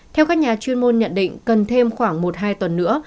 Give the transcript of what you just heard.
theo các nhà chuyên môn nhận định cần thêm khoảng một hai tuần nữa